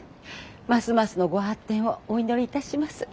ますますのご発展をお祈りいたします。